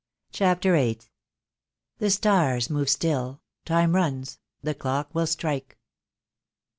CHAPTER VIII. "The stars move still, Time runs, the clock will strike."